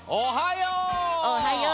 おはよう！